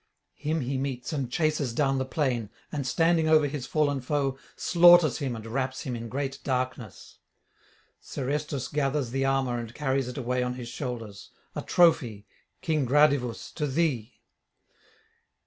Him he meets and chases down the plain, and, standing over his fallen foe, slaughters him and wraps him in great darkness; Serestus gathers the armour and carries it away on his shoulders, a trophy, King Gradivus, to thee.